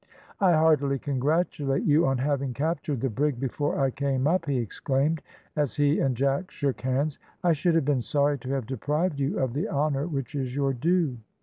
"I heartily congratulate you on having captured the brig before I came up," he exclaimed, as he and Jack shook hands; "I should have been sorry to have deprived you of the honour which is your due."